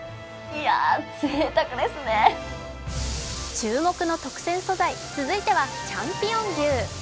注目の特選素材、続いてはチャンピオン牛。